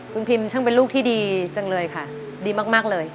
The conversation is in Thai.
คุณพิมช่างเป็นลูกที่ดีจังเลยค่ะดีมากเลย